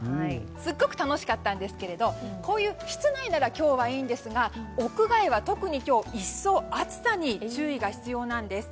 すごく楽しかったんですがこういう室内なら今日はいいんですが屋外は特に今日、一層暑さに注意が必要です。